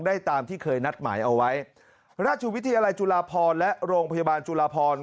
ได้ตามที่เคยนัดหมายเอาไว้ราชวิทยาลัยจุฬาพรและโรงพยาบาลจุลาพร